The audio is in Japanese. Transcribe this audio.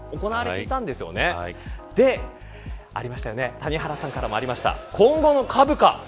谷原さんからもありました今後の株価。